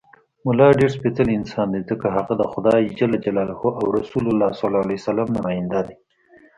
ملا ډېر سپېڅلی انسان دی، ځکه هغه د خدای او رسول نماینده دی.